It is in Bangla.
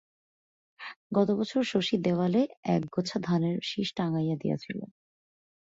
গতবৎসর শশী দেয়ালে একগোছা ধানের শিষ টাঙ্গাইয়া দিয়াছিল।